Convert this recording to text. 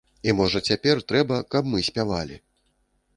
І можа цяпер трэба, каб мы спявалі.